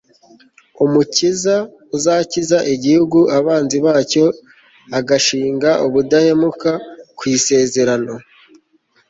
umukiza uzakiza igihugu abanzi bacyo agashinga ubudahemuka ku isezerano